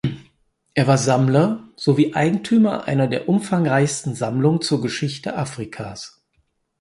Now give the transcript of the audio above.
Er war Sammler sowie Eigentümer einer der umfangreichsten Sammlungen zur Geschichte Afrikas.